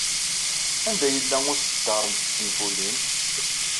Anda yella uṣeddar n tenfulin?